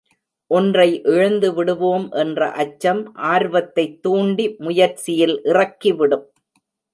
ஒன்றை இழந்து விடுவோம் என்ற அச்சம் ஆர்வத்தைத்தூண்டி முயற்சியில் இறக்கி விடும்.